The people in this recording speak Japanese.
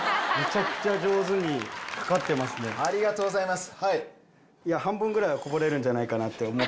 ありがとうございます。